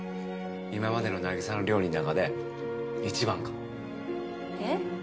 今までの凪沙の料理の中で一番かも。え？